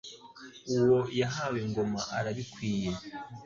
Uwo yahawe ingoma arabikwiye.